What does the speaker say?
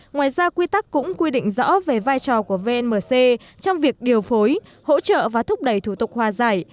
ngoài ra quy tắc cũng quy định rõ về vai trò của vnmc trong việc điều phối hỗ trợ và thúc đẩy thủ tục hòa giải